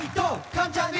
関ジャニ！